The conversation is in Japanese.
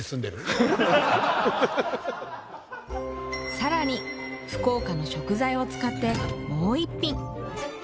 更に福岡の食材を使ってもう一品。